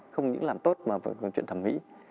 không những làm tốt mà về chuyện thẩm mỹ